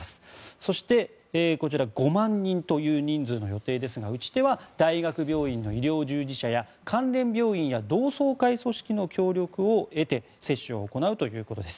そして、５万人という人数の予定ですが打ち手は大学病院の医療従事者や関連病院や同窓会組織の協力を得て接種を行うということです。